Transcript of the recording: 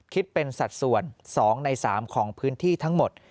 คิดเป็นสัดส่วน๒ใน๓ของพื้นที่ทั้งหมด